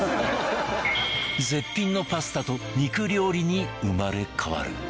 絶品のパスタと肉料理に生まれ変わる